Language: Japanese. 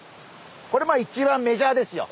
これ一番メジャーですよ。